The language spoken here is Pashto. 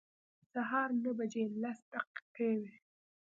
سهار نهه بجې لس دقیقې وې.